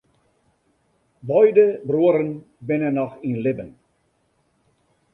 Beide bruorren binne noch yn libben.